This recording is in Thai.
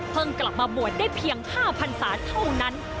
เพิ่งกลับมาหมวดได้เพียง๕พันศาสตร์เท่านั้น